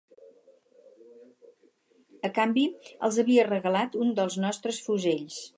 A canvi, els havia regalat un dels nostres fusells